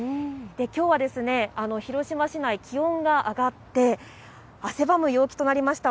きょうは広島市内、気温が上がって、汗ばむ陽気となりました。